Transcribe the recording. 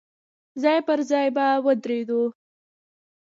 ځای پر ځای به ودرېدو.